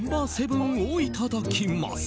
Ｎｏ．７をいただきます。